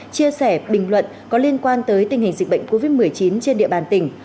chia sẻ bình luận có liên quan tới tình hình dịch bệnh covid một mươi chín trên địa bàn tỉnh